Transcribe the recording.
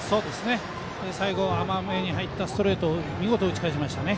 最後、甘めに入ったストレートを見事、打ち返しましたね。